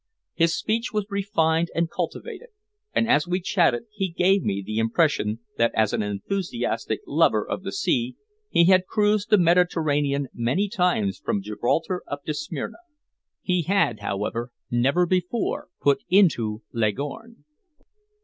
His speech was refined and cultivated, and as we chatted he gave me the impression that as an enthusiastic lover of the sea, he had cruised the Mediterranean many times from Gibraltar up to Smyrna. He had, however, never before put into Leghorn.